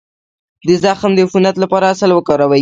د زخم د عفونت لپاره عسل وکاروئ